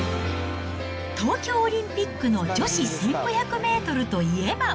東京オリンピックの女子１５００メートルといえば。